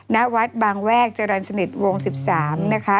ณวัดบางแวกจรรย์สนิทวง๑๓นะคะ